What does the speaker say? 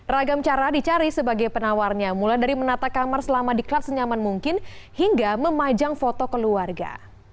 ragam cara dicari sebagai penawarnya mulai dari menata kamar selama diklat senyaman mungkin hingga memajang foto keluarga